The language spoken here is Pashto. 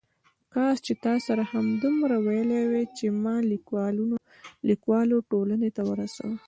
کاش چې تا راسره همدومره ویلي وای چې ما لیکوالو ټولنې ته ورسوه.